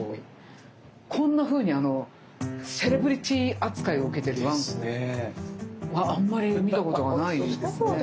こんなふうにセレブリティ扱いを受けてるわんこはあんまり見たことがないですね。